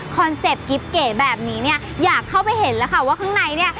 เป็ตกิ๊บเก๋แบบนี้เนี่ยอยากเข้าไปเห็นแล้วค่ะว่าข้างในเนี่ย